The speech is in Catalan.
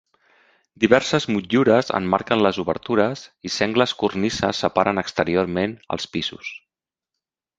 Diverses motllures emmarquen les obertures, i sengles cornises separen exteriorment els pisos.